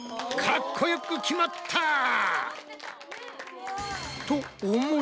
かっこよく決まったぁ！